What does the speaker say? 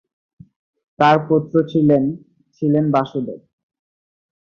তাঁর পুত্র ছিলেন ছিলেন বাসুদেব।